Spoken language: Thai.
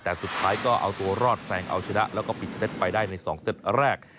แต่สุดท้ายก็เอาตัวรอดแซงเอาชนะแล้วก็ปิดสเต็ดไปได้ใน๒เซตแรก